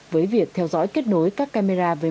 với việc theo dõi kết nối các camera với máy